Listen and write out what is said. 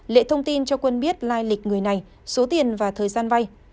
lệ thông tin cho quân biết lai lịch người này số tiền và thời gian vay